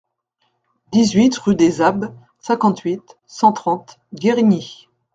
dix-huit rue des Abbes, cinquante-huit, cent trente, Guérigny